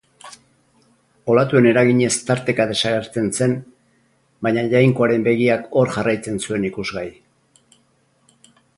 Olatuen eraginez tarteka desagertzen zen, baina Jainkoaren begiak hor jarraitzen zuen ikusgai.